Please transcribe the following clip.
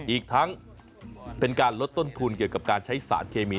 อีกทั้งเป็นการลดต้นทุนเกี่ยวกับการใช้สารเคมี